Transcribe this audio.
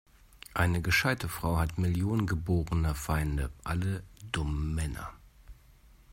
Eine gescheite Frau hat Millionen geborener Feinde: alle dummen Männer.